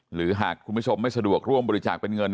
หรือหากคุณผู้ชมไม่สะดวกร่วมบริจาคเป็นเงิน